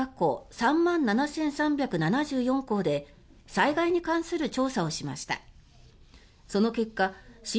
３万７３７４校で災害に関する調査をしました。